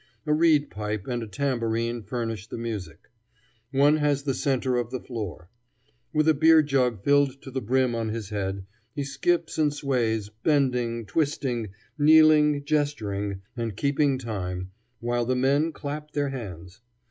A reed pipe and a tambourine furnish the music. One has the center of the floor. With a beer jug filled to the brim on his head, he skips and sways, bending, twisting, kneeling, gesturing, and keeping time, while the men clap their hands.